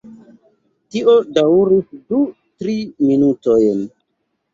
Tio daŭris du, tri minutojn.